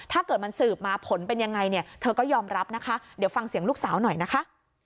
ถ้าเกิดมันสืบมาผลเป็นยังไงเนี่ยเธอก็ยอมรับนะคะเดี๋ยวฟังเสียงลูกสาวหน่อยนะคะ